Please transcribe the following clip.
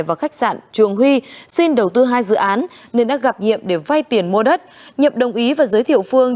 và khách sạn trường huy xin đầu tư hai dự án nên đã gặp nhiệm để vay tiền mua đất nhập đồng ý và giới thiệu phương